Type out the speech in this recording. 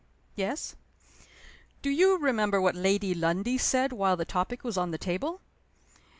"Yes." "Do you remember what Lady Lundie said while the topic was on the table?"